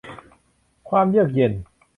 ความเยือกเย็น